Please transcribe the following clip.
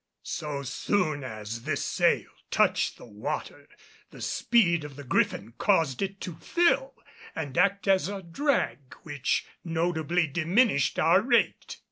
So soon as this sail touched the water the speed of the Griffin caused it to fill and act as a drag which notably diminished our rate.